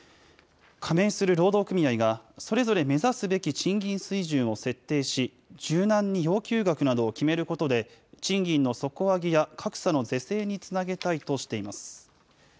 加盟する労働組合が、それぞれ目指すべき賃金水準を設定し、柔軟に要求額などを決めることで、賃金の底上げや格差の是正につなげたいとしています。